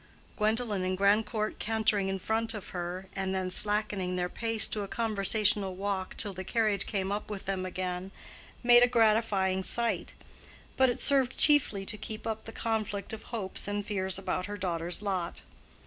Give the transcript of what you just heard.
Gwendolen and Grandcourt cantering in front of her, and then slackening their pace to a conversational walk till the carriage came up with them again, made a gratifying sight; but it served chiefly to keep up the conflict of hopes and fears about her daughter's lot.